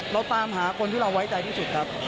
เราตามหาคนที่เราไว้ใจที่สุดครับ